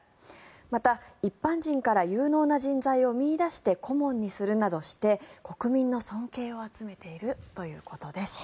また、一般人から有能な人材を見いだして顧問にするなどして国民の尊敬を集めているということです。